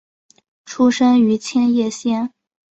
出身于千叶县。